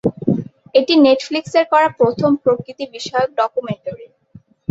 এটি নেটফ্লিক্সের করা প্রথম প্রকৃতি বিষয়ক ডকুমেন্টারি।